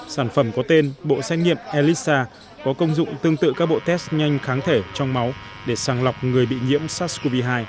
sản phẩm có tên bộ xét nghiệm elisa có công dụng tương tự các bộ test nhanh kháng thể trong máu để sàng lọc người bị nhiễm sars cov hai